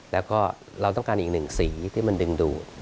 แล้วก็เราต้องการอีกหนึ่งสีที่มันดึงดู